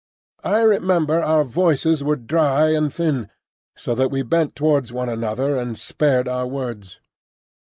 I remember our voices were dry and thin, so that we bent towards one another and spared our words.